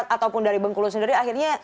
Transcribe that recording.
ataupun dari bengkulu sendiri akhirnya